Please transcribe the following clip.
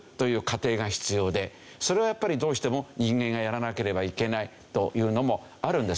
それはやっぱりどうしても人間がやらなければいけないというのもあるんですけど。